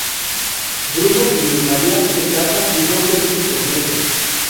Bruno y Luz Maria se casan y son felices por siempre.